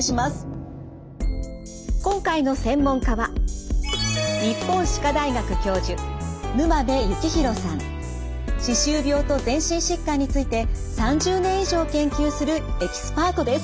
今回の専門家は歯周病と全身疾患について３０年以上研究するエキスパートです。